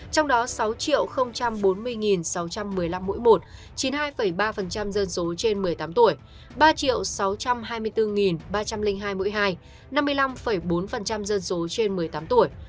trong đó sáu bốn mươi sáu trăm một mươi năm mũi một chín mươi hai ba dân số trên một mươi tám tuổi ba sáu trăm hai mươi bốn ba trăm linh hai mũi hai năm mươi năm bốn dân số trên một mươi tám tuổi